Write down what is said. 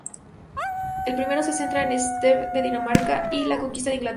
El primero se centra en Svend I de Dinamarca y la conquista de Inglaterra.